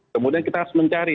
kemudian kita harus mencari